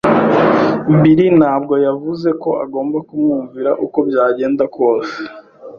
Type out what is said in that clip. Bill ntabwo yavuze ko agomba kumwumvira uko byagenda kose.